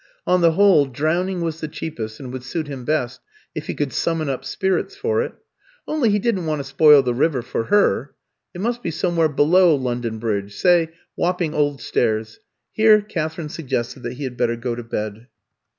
On the whole, drowning was the cheapest, and would suit him best, if he could summon up spirits for it. Only he didn't want to spoil the river for her. It must be somewhere below London Bridge, say Wapping Old Stairs. Here Katherine suggested that he had better go to bed.